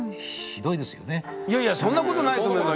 いやいやそんなことないと思います。